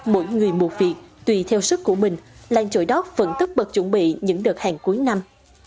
mỗi người một việc tùy theo sức của mình làng chổi đót vẫn tất bật chuẩn bị những đợt hàng cuối năm